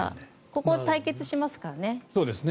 ここは対決しますからね。